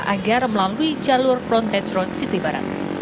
agar melalui jalur frontage road sisi barat